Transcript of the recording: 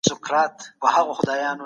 موږ په پښتو ژبي خپل کلتور ساتو.